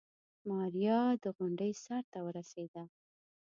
ماريا د غونډۍ سر ته ورسېده.